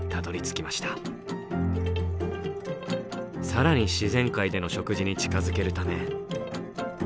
更に自然界での食事に近づけるため。